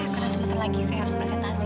karena sebentar lagi saya harus presentasi